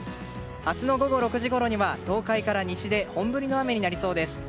明日の午後６時ごろには東海から西で本降りの雨になりそうです。